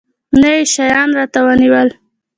نه يې شيان راته رانيول.